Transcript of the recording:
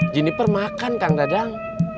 jennifer makan kang dadang